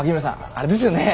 あれですよね